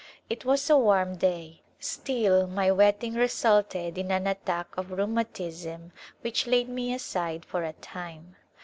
It was a warm day, still my wetting resulted in an attack of rheuma tism which laid me aside for a time.